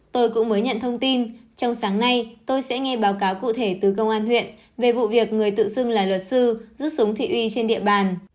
tôi cũng mới nhận thông tin trong sáng nay tôi sẽ nghe báo cáo cụ thể từ công an huyện về vụ việc người tự xưng là luật sư rút súng thị uy trên địa bàn